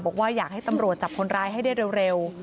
บอกว่าอยากให้ตำรวจจับคนร้ายให้ได้เร็ว